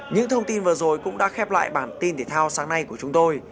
những thông tin vừa rồi cũng đã khép lại bản tin thể thao sáng nay của chúng tôi